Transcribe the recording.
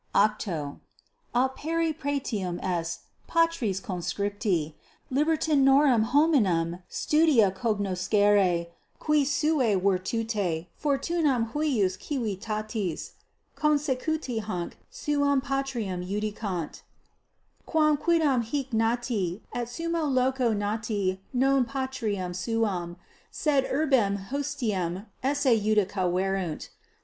=8.= Operae pretium est, patres conscripti, libertinorum hominum studia cognoscere, qui sua virtute fortunam huius civitatis consecuti hanc suam patriam iudicant, quam quidam hic nati et summo loco nati non patriam suam, sed urbem hostium esse iudicaverunt.